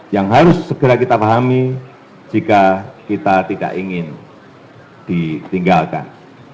yang harus segera kita pahami jika kita tidak ingin ditinggalkan